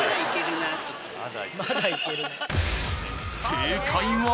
正解は？